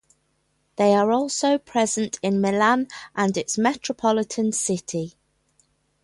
They are also present in Milan and its metropolitan city.